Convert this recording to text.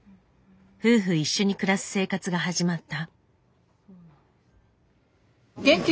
夫婦一緒に暮らす生活が始まった。